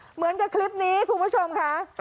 เหมือนกับคลิปนี้คุณผู้ชมค่ะ